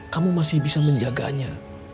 kamu masih bisa menjaganya